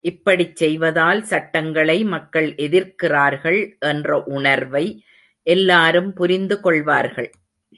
இப்படிச் செய்வதால் சட்டங்களை மக்கள் எதிர்க்கிறார்கள் என்ற உணர்வை எல்லாரும் புரிந்து கொள்வார்கள்.